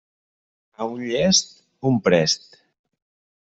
A un llest, un prest.